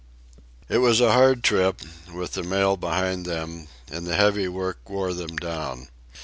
It was a hard trip, with the mail behind them, and the heavy work wore them down.